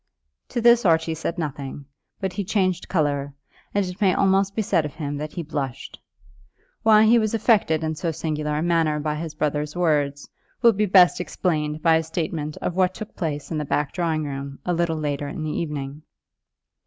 To this Archie said nothing, but he changed colour, and it may almost be said of him that he blushed. Why he was affected in so singular a manner by his brother's words will be best explained by a statement of what took place in the back drawing room a little later in the evening.